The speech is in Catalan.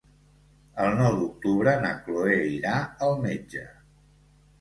El nou d'octubre na Chloé irà al metge.